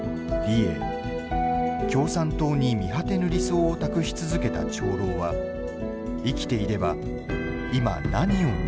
共産党に見果てぬ理想を託し続けた長老は生きていれば今何を日記につづったのだろうか。